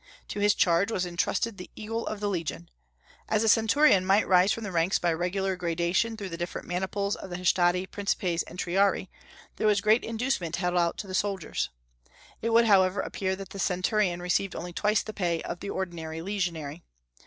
To his charge was intrusted the eagle of the legion. As the centurion might rise from the ranks by regular gradation through the different maniples of the Hastati, Principes, and Triarii, there was great inducement held out to the soldiers. It would, however, appear that the centurion received only twice the pay of the ordinary legionary.